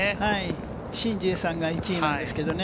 シン・ジエさんが１位なんですけれどもね。